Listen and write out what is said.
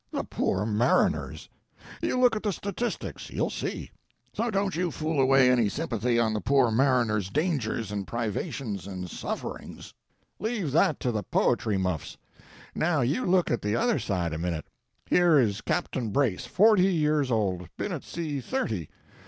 The poor mariner's. You look at the statistics, you'll see. So don't you fool away any sympathy on the poor mariner's dangers and privations and sufferings. Leave that to the poetry muffs. Now you look at the other side a minute. Here is Captain Brace, forty years old, been at sea thirty.